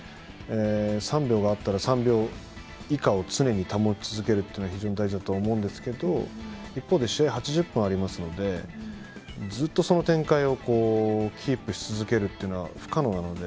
３秒だったら３秒以下を常に保ち続けるのが非常に大事だと思うんですけど一方、試合は８０分ありますのでずっとその展開をキープし続けるのは不可能なので。